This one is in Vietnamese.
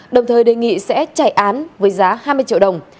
đồng thời đề nghị sẽ chạy án với giá hai mươi triệu đồng